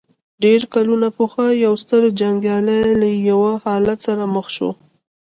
ډېر کلونه پخوا يو ستر جنګيالی له يوه حالت سره مخ شو.